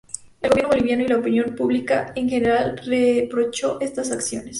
El gobierno boliviano y la opinión publica en general reprochó estas acciones.